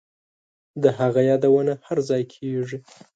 د هغه یادونه هرځای کیږي